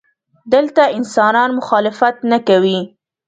دلته انسانان مخالفت نه کوي.